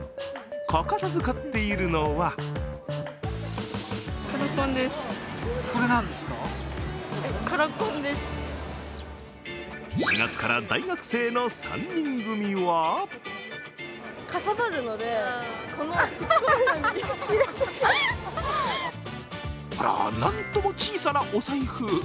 欠かさず買っているのは４月から大学生の３人組はあら、なんとも小さなお財布。